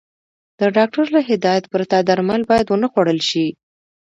د ډاکټر له هدايت پرته درمل بايد ونخوړل شي.